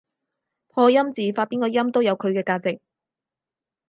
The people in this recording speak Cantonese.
破音字發邊個音都有佢嘅價值